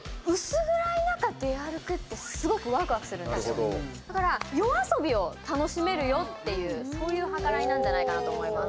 私、ちっちゃい時だから、夜遊びを楽しめるよっていうそういう計らいなんじゃないかなと思います。